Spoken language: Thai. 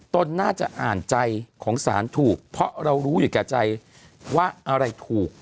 ตนน่าจะอ่านใจของสารถูกเพราะเรารู้อยู่แก่ใจว่าอะไรถูก